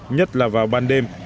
nhất là vào ban đêm